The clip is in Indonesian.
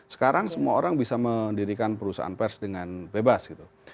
sekarang semua orang bisa mendirikan perusahaan pers dengan bebas gitu